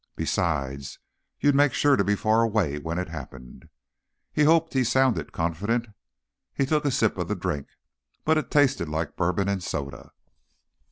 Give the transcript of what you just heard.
Besides, you'd make sure to be far away when it happened." He hoped he sounded confident. He took a sip of the drink, but it tasted like bourbon and soda.